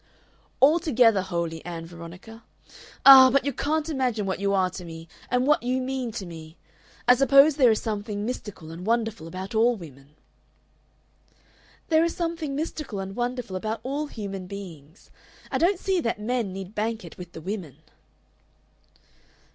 "Altogether holy, Ann Veronica. Ah! but you can't imagine what you are to me and what you mean to me! I suppose there is something mystical and wonderful about all women." "There is something mystical and wonderful about all human beings. I don't see that men need bank it with the women."